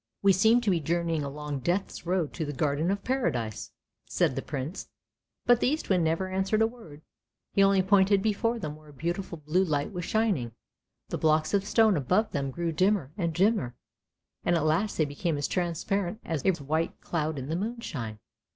" We seem to be journeying along Death's road to the Garden of Paradise! " said the Prince, but the Eastwind never answered a word, he only pointed before them where a beautiful blue light was shining. The blocks of stone above them grew dimmer and dimmer, and at last they became as transparent as a white cloud in the moonshine.